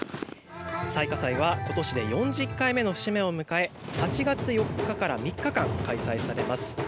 彩夏祭はことしで４０回目の節目を迎え８月４日から３日間開催されます。